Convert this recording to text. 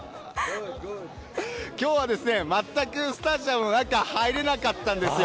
今日は、まったくスタジアムの中、入れなかったんですよ。